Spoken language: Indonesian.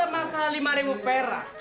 sama sama masa lima pera